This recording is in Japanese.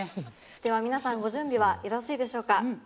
では皆さんご準備はよろしいでしょうか？